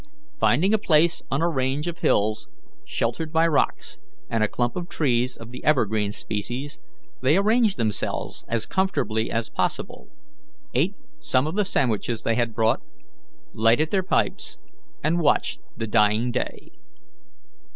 Finding a place on a range of hills sheltered by rocks and a clump of trees of the evergreen species, they arranged themselves as comfortably as possible, ate some of the sandwiches they had brought, lighted their pipes, and watched the dying day.